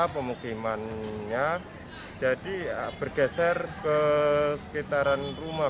pemukimannya jadi bergeser ke sekitaran rumah